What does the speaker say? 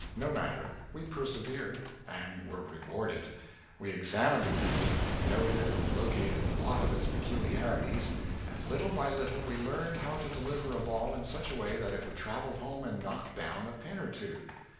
No matter, we persevered, and were rewarded. We examined the alley, noted and located a lot of its peculiarities, and little by little we learned how to deliver a ball in such a way that it would travel home and knock down a pin or two.